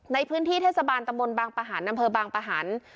ในพื้นที่เทศบาลตำบลบางประหันอำเภอบางปะหัน